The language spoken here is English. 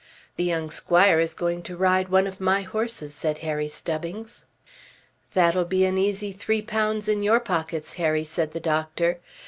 "The young squire is going to ride one of my horses," said Harry Stubbings. "That'll be an easy three pounds in your pockets, Harry," said the doctor.